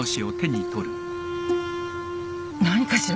何かしら？